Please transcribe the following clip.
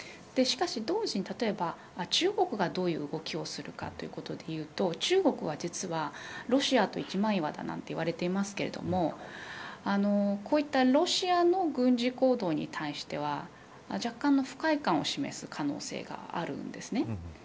しかし、同時に例えば中国がどういう動きをするかということでいうと中国は実はロシアと一枚岩だなんて言われていますけれどもこういったロシアの軍事行動に対しては若干の不快感を示す可能性があるんですね。